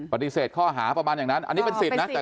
ปฏิเสธข้อหาประมาณอย่างนั้นอันนี้เป็นสิทธิ์นะ